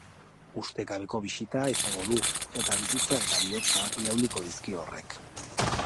Ustekabeko bisita izango du, eta bizitza eta bihotza irauliko dizkio horrek.